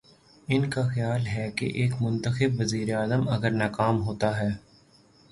ان کا خیال ہے کہ ایک منتخب وزیراعظم اگر ناکام ہو تا ہے۔